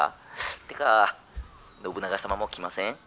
ってか信長様も来ません？」。